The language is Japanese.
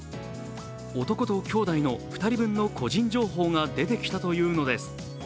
男と兄弟の２人分の個人情報が出てきたというのです。